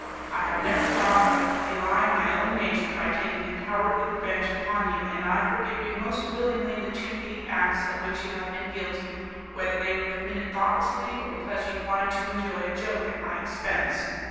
I have never thought of belying my own nature by taking a cowardly revenge upon you, and I forgive you most willingly the two giddy acts of which you have been guilty, whether they were committed thoughtlessly or because you wanted to enjoy a joke at my expense.